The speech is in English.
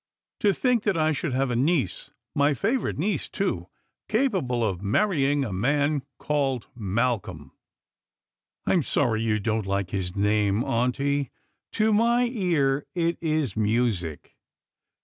"To think that I should have a niece — my favourite niece too — capable of marrying a man called Malcolm." "I'm sorry you don't like his name, auntie. To my ear it is music."